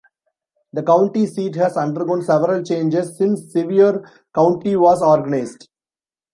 The county seat has undergone several changes since Sevier County was organized.